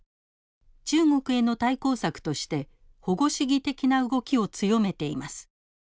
中国への対抗策として保護主義的な動きを強めています。